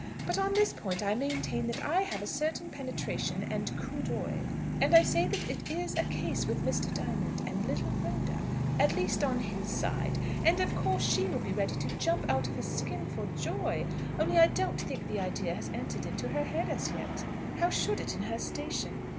But on this point I maintain that I have a certain penetration and coo doyl. And I say that it is a case with Mr. Diamond and little Rhoda at least on his side. And of course she would be ready to jump out of her skin for joy, only I don't think the idea has entered into her head as yet. How should it, in her station?